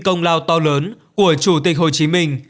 công lao to lớn của chủ tịch hồ chí minh